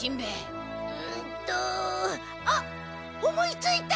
んとあっ思いついた！